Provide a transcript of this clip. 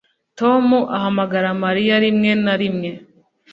Tom ahamagara Mariya rimwe na rimwe